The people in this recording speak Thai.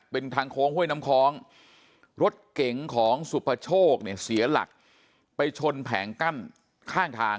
เป็นทางโค้งห้วยน้ำคล้องรถเก๋งของสุภโชคเนี่ยเสียหลักไปชนแผงกั้นข้างทาง